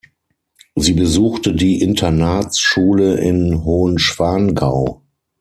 Sie besuchte die Internatsschule in Hohenschwangau.